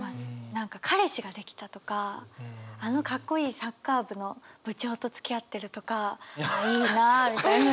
何か彼氏ができたとかあのかっこいいサッカー部の部長とつきあってるとかいいなあみたいな。